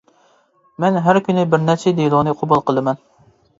مەن ھەر كۈنى بىرنەچچە دېلونى قوبۇل قىلىمەن.